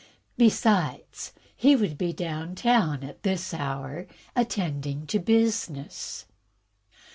Besides, he would be down town at this hour, attending to business."